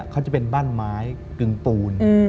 เขาจะเป็นบ้านไม้กึ่งปูน